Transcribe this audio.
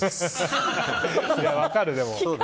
分かる、でも。